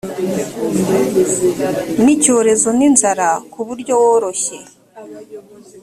n icyorezo n inzara ku buryo woroshye